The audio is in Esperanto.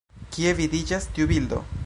Kie vidiĝas tiu bildo?